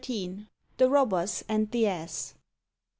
THE ROBBERS AND THE ASS.